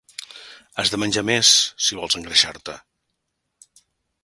Has de menjar més, si vols engreixar-te.